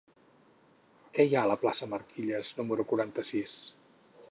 Què hi ha a la plaça de Marquilles número quaranta-sis?